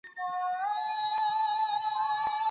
کارخانې څنګه د محصولاتو ډیزاین بدلوي؟